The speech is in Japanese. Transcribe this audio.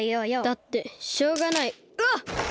だってしょうがないうわっ！